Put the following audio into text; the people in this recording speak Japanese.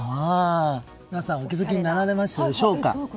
皆さん、お気づきになられましたでしょうか。